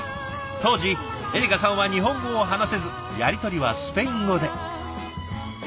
当時エリカさんは日本語を話せずやり取りはスペイン語で。